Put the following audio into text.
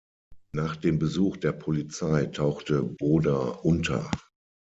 Nach dem Besuch der Polizei tauchte Boda unter.